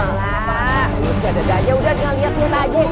udah siada dada aja udah gak liat liat aja